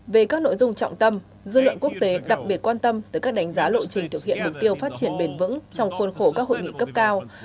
về các nội dung trọng tâm dư luận quốc tế đặc biệt quan tâm tới các đánh giá lộ trình thực hiện mục tiêu phát triển bền vững trong khuôn khổ các hội nghị cấp cao